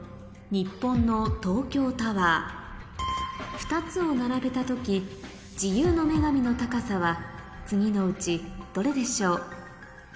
２つを並べた時自由の女神の高さは次のうちどれでしょう？